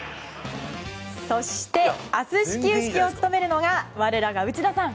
そして、明日始球式を務めるのが我らが内田さん！